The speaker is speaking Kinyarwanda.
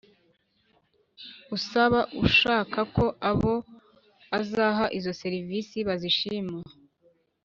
Usaba ashakako abo azaha izo serivisi bazishima